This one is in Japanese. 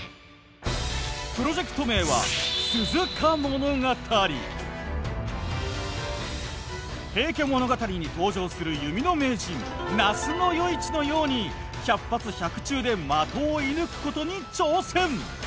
プロジェクト名は「平家物語」に登場する弓の名人那須与一のように百発百中で的を射ぬくことに挑戦。